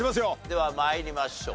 では参りましょう。